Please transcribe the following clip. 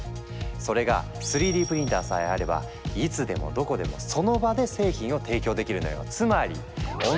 それが３Ｄプリンターさえあればいつでもどこでもその場で製品を提供できるのよ。